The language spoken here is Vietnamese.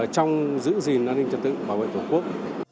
trong giữ gìn an ninh trật tự bảo vệ tổ quốc